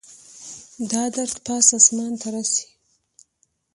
دا درد پاس اسمان ته رسي